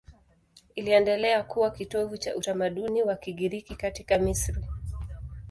Iliendelea kuwa kitovu cha utamaduni wa Kigiriki katika Misri.